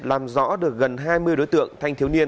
làm rõ được gần hai mươi đối tượng thanh thiếu niên